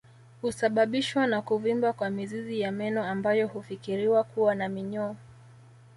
Husababishwa na kuvimba kwa mizizi ya meno ambayo hufikiriwa kuwa na minyoo